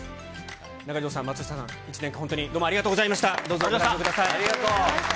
中条さん、松下さん、１年間、本当にどうもありがとうございました。